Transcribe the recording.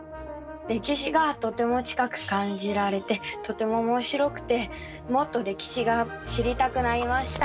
歴史がとても近く感じられてとてもおもしろくてもっと歴史が知りたくなりました。